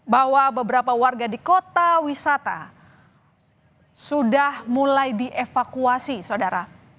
bahwa beberapa warga di kota wisata sudah mulai dievakuasi saudara